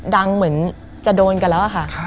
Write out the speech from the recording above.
เหมือนจะโดนกันแล้วค่ะ